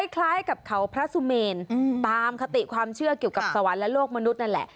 คล้ายกับเขาพระสุเมนตามคติความเชื่อเกี่ยวกับสวรรค์และโลกมนุษย์นั่นแหละ